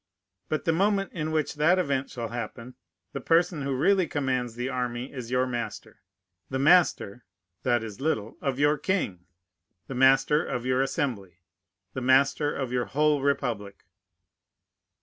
But the moment in which that event shall happen, the person who really commands the army is your master, the master (that is little) of your king, the master of your Assembly, the master of your whole republic.